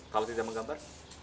kalau tidak menggambar